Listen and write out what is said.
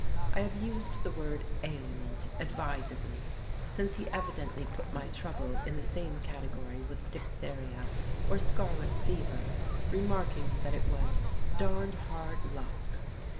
I have used the word "ailment" advisedly, since he evidently put my trouble in the same category with diphtheria or scarlet fever, remarking that it was "darned hard luck."